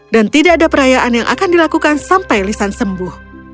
dan tidak ada perayaan yang akan dilakukan sampai lisan sembuh